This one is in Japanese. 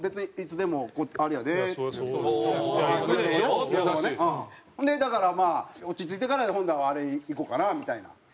ほんでだからまあ「落ち着いてからほんならあれ行こうかな」みたいな。